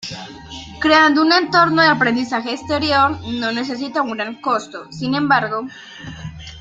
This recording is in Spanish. Creando un entorno de aprendizaje exterior no necesita un gran costo, sin embargo.